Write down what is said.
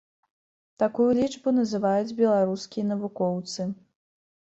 Такую лічбу называюць беларускія навукоўцы.